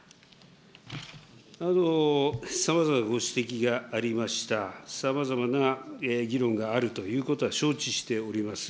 さまざまなご指摘がありました、さまざまな議論があるということは承知しております。